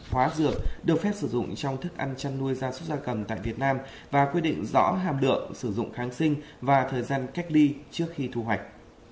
hóa dược được phép sử dụng trong thức ăn chăn nuôi gia súc gia cầm tại việt nam và quy định rõ hàm lượng sử dụng kháng sinh và thời gian cách ly trước khi thu hoạch